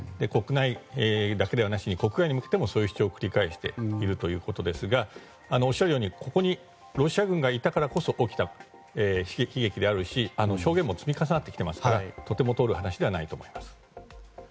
国内だけではなしに国外に向けてもそうした主張を繰り返しているということですがおっしゃるようにここにロシア軍がいたからこそ起きた悲劇であるし、証言も積み重なってきていますからとても通る話ではないと思います。